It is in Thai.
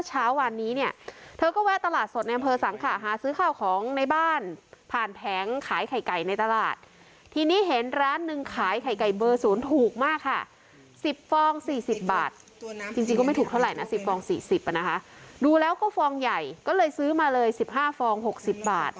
จริงก็ไม่ถูกเท่าไรนะสิบฟองสี่สิบเนอะนะคะดูแล้วก็ฟองใหญ่ก็เลยซื้อมาเลยสิบห้าฟองหกสิบบาท